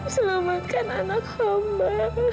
selamatkan anak kava